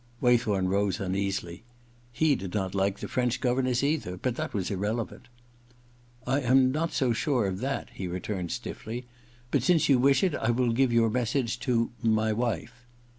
Waythorn rose uneasily. He did not like the French governess either ; but that was irrelevant. * I am not so sure of that,' he returned stiffly ;* but since you wish it I will give your message to — my wife.'